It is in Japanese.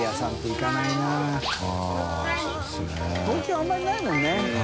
豕あんまりないもんね。